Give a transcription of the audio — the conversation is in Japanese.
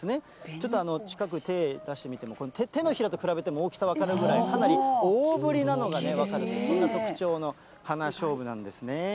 ちょっと近く、手出してみても、手のひらと比べても大きさ分かるぐらい、かなり大ぶりなのが分かる、そんな特徴の花しょうぶなんですね。